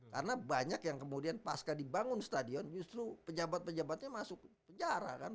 karena banyak yang kemudian pas dibangun stadion justru pejabat pejabatnya masuk kejar kan